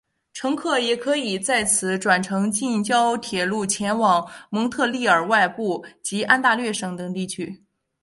乘客也可以在此转乘近郊铁路前往蒙特利尔外部及安大略省等地区。